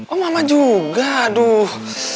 oh mama juga aduh